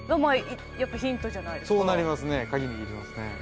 やっぱヒントじゃないですか。